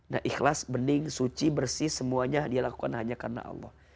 nah ikhlas bening suci bersih semuanya dia lakukan hanya karena allah